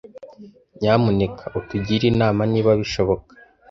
Nyamuneka utugire inama, niba bishoboka,